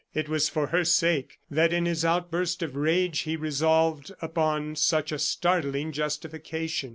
It was for her sake, that in his outburst of rage, he resolved upon such a startling justification.